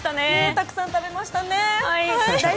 たくさん食べましたね。